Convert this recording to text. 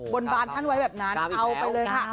บนบานท่านไว้แบบนั้นเอาไปเลยค่ะ